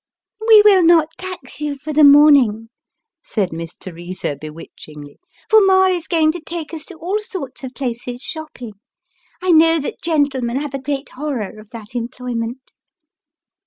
" We will not tax you for the morning," said Miss Teresa, bewitch ingly ;" for ma is going to take us to all sorts of places, shopping. I know that gentlemen have a great horror of that employment."